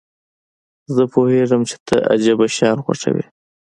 زه پوهیږم چې ته عجیبه شیان خوښوې.